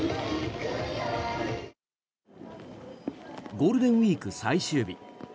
ゴールデンウィーク最終日。